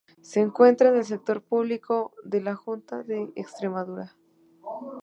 Se encuentra en el sector público de la Junta de Extremadura.